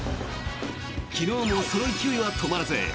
昨日もその勢いは止まらず